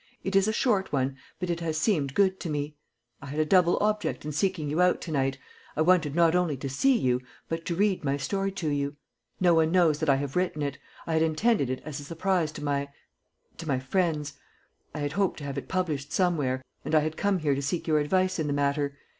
It is a short one, but it has seemed good to me. I had a double object in seeking you out to night. I wanted not only to see you, but to read my story to you. No one knows that I have written it; I had intended it as a surprise to my to my friends. I had hoped to have it published somewhere, and I had come here to seek your advice in the matter.